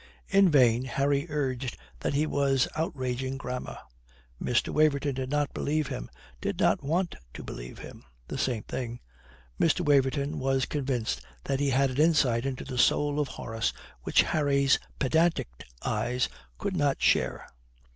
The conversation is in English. In vain Harry urged that he was outraging grammar. Mr. Waverton did not believe him, did not want to believe him the same thing. Mr. Waverton was convinced that he had an insight into the soul of Horace which Harry's pedantic eyes could not share.